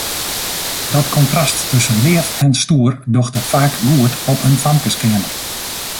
Dat kontrast tusken leaf en stoer docht it faak goed op in famkeskeamer.